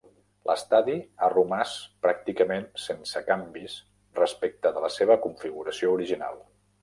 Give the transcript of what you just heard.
L'estadi ha romàs pràcticament sense canvis respecte de la seva configuració original.